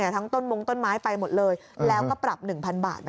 ต้นมงต้นไม้ไปหมดเลยแล้วก็ปรับ๑๐๐บาท